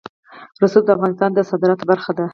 رسوب د افغانستان د صادراتو برخه ده.